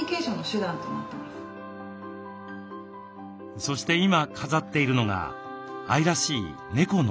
そして今飾っているのが愛らしい猫の絵。